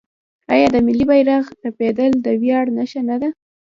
آیا د ملي بیرغ رپیدل د ویاړ نښه نه ده؟